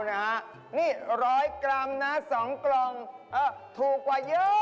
นี่ร้อยกรัมนะ๒กล่องถูกกว่าเยอะ